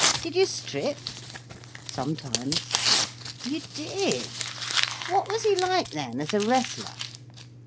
"Did you strip?" "Sometimes." "You did! What was he like then, as a wrestler?"